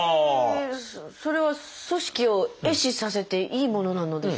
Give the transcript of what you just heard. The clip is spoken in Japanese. それは組織を壊死させていいものなのですか？